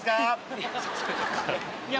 いや。